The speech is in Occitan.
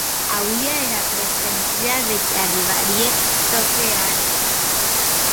Auia era presentida de qué arribarie çò qu’a arribat.